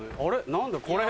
何だこれ。